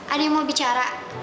ada yang mau bicara